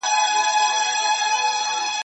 زه پرون د سبا لپاره د يادښتونه يادوم،